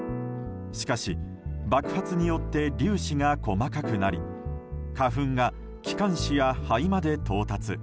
しかし、爆発によって粒子が細かくなり花粉が気管支や肺まで到達。